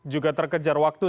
juga terkejar waktu